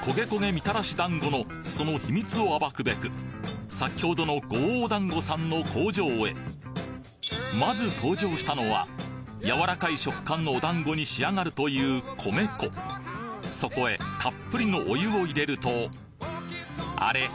みたらし団子のその秘密を暴くべく先ほどの五王団子さんの工場へまず登場したのは柔らかい食感のお団子に仕上がるという米粉そこへたっぷりのお湯を入れるとあれ？